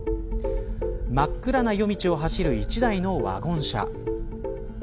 真っ暗な夜道を走る１台のワゴン車。